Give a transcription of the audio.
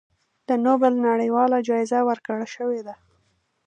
د نوبل نړیواله جایزه ورکړی شوې ده.